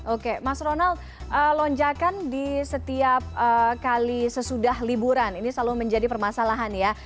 oke mas ronald lonjakan di setiap kali sesudah liburan ini selalu menjadi permasalahan ya